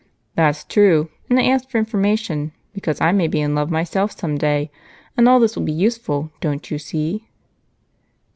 "That's true, and I asked for information because I may be in love myself someday and all this will be useful, don't you see?"